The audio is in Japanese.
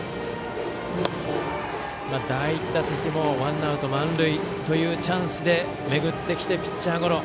第１打席もワンアウト満塁というチャンスで巡ってきて、ピッチャーゴロ。